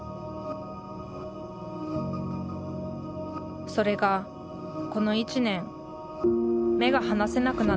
それがこの１年目が離せなくなっています